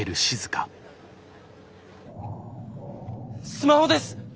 スマホです！